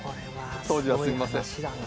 当時はすみません。